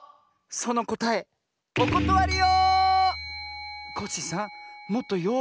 そのこたえおことわりよ！